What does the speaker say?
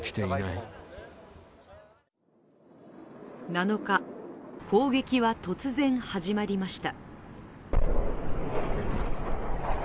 ７日、攻撃は突然始まりました。